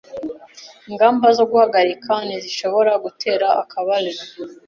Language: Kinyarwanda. Ingamba zo guhagarika ntizishobora gutera akabariro